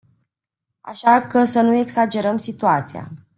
Așa că să nu exagerăm situația.